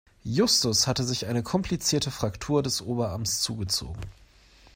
Justus hatte sich eine komplizierte Fraktur des Oberarms zugezogen.